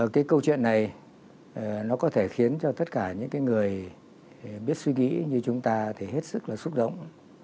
cái câu chuyện này nó có thể khiến cho tất cả những người biết suy nghĩ như chúng ta thì hết sức là xúc động